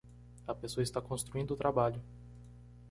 A pessoa está construindo o trabalho.